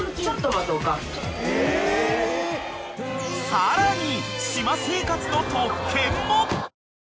［さらに］